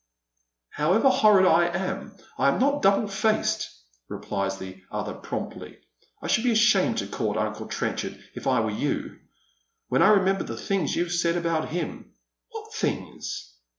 " However horrid I am, I am not double faced," replies the other promptly. " I should be ashamed to court uncle Trenchard if I were you, when I remember the things you've said about him." "What things?"